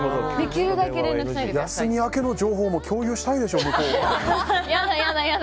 休み明けの情報も共有したいでしょ、向こうも。